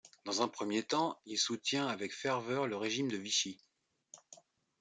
Dans un premier temps, il soutient avec ferveur le régime de Vichy.